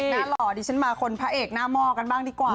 พระเอกน่ารอดิฉันมาคนพระเอกหน้าม่อกันบ้างดีกว่านะคะ